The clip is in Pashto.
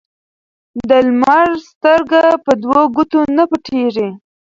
ـ د لمر سترګه په دو ګوتو نه پټيږي.